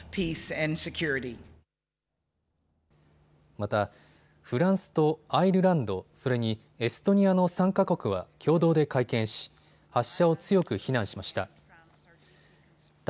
またフランスとアイルランド、それにエストニアの３か国は共同で会見し、発射を強く非難しました。